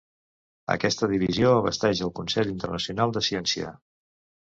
Aquesta divisió abasteix el Consell Internacional de Ciència.